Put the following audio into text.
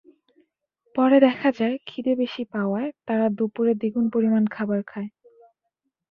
পরে দেখা যায়, খিদে বেশি পাওয়ায় তারা দুপুরে দ্বিগুণ পরিমাণ খাবার খায়।